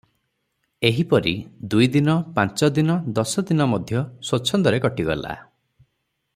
ଏହିପରି ଦୁଇଦିନ, ପାଞ୍ଚଦିନ ଦଶ ଦିନ ମଧ୍ୟ ସ୍ୱଚ୍ଛନ୍ଦରେ କଟି ଗଲା ।